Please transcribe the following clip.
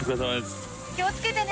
気をつけてね。